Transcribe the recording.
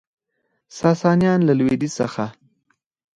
ساسانیان له لویدیځ څخه